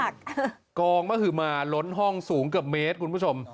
กองเมื่อถือมาล้นห้องสูงเกือบเมตร